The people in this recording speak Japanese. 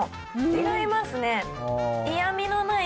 違いますね。